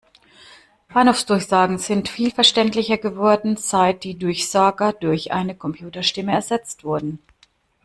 Bahnhofsdurchsagen sind viel verständlicher geworden, seit die Durchsager durch eine Computerstimme ersetzt wurden.